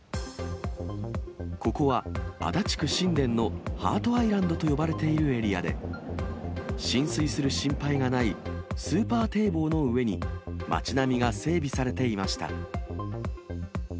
ここは足立区新田のハートアイランドと呼ばれているエリアで、浸水する心配がないスーパー堤防の上に、街並みが整備されていました。